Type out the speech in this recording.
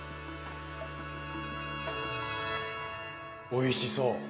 おいしそう。